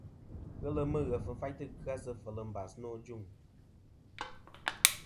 Ghelɨ Mughef fayntɨ kɨ-a sɨ fel mbas nô ajuŋ.